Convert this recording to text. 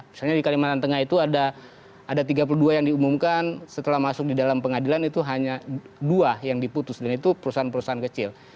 misalnya di kalimantan tengah itu ada tiga puluh dua yang diumumkan setelah masuk di dalam pengadilan itu hanya dua yang diputus dan itu perusahaan perusahaan kecil